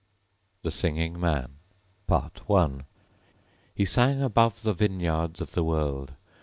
THE SINGING MAN I He sang above the vineyards of the world.